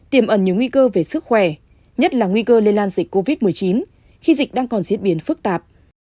tiềm ẩn nhiều nguy cơ về sức khỏe nhất là nguy cơ lây lan dịch covid một mươi chín khi dịch đang còn diễn biến phức tạp